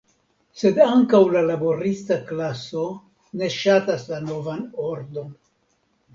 Sed ankaŭ la laborista klaso ne ŝatas la novan ordon.